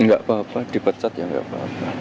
nggak apa apa dipecat ya nggak apa apa